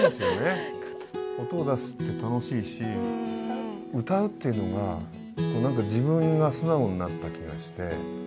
音を出すって楽しいし歌うっていうのが何か自分が素直になった気がして。